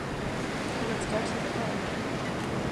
Let's go to the book.